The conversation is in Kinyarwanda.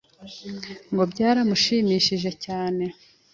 Ngo byaramushimishije cyane,